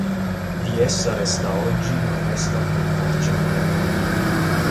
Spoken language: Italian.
Di essa resta oggi non resta alcuna traccia in loco.